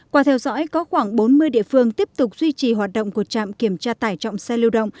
qua theo dõi có khoảng bốn mươi địa phương tiếp tục duy trì hoạt động của trạm kiểm tra tải trọng xe lưu động